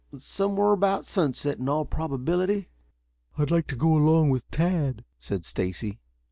"Somewhere about sunset, in all probability." "I'd like to go along with Tad," said Stacy.